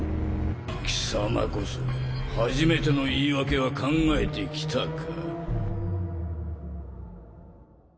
貴様こそ初めての言い訳は考えてきたか？